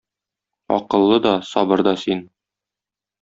Акыллы да, сабыр да син